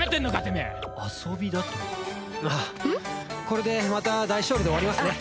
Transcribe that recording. これでまた大勝利で終わりますね。